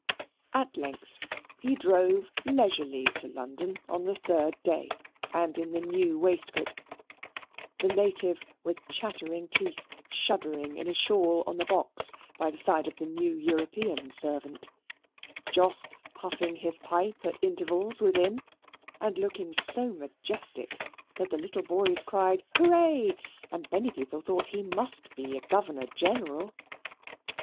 At length, he drove leisurely to London on the third day and in the new waistcoat, the native, with chattering teeth, shuddering in a shawl on the box by the side of the new European servant; Jos puffing his pipe at intervals within and looking so majestic that the little boys cried Hooray, and many people thought he must be a Governor General.